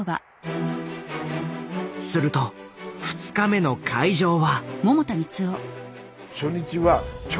すると２日目の会場は。